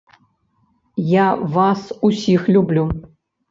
Я вас усіх люблю.